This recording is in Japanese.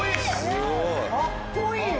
すごい。